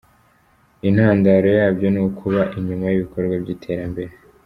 Intandaro yabyo ni ukuba inyuma y’ibikorwa by’iterambere.